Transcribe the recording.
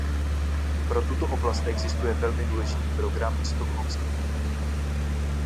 Pro tuto oblast existuje velmi důležitý program, Stockholmský program.